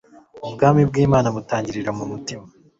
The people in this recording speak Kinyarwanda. Ubwami bw'Imana butangirira mu mutima.